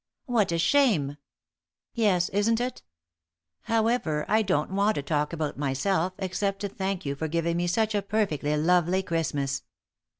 "What a shame!" "Yes, isn't it. However, I don't want to talk about myself, except to thank you for giving me such a perfectly lovely Christmas.